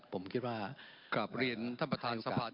ผมคิดว่า